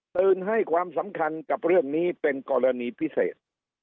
ตื่นให้ความสำคัญกับเรื่องนี้เป็นกรณีพิเศษ